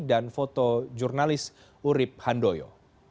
dan foto jurnalis urip handoyo